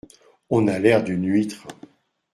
On a l’air d’une huître !